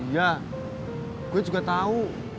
iya gue juga tau